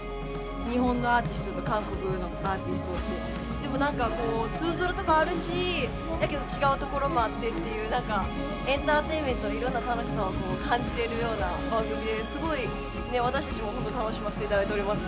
日本のアーティストと韓国のアーティストがいて何か通ずるところあるしだけど違うところもあってっていうエンターテインメントのいろんな楽しさを感じられるような番組ですごい私たちもほんと楽しませていただいております。